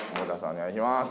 お願いします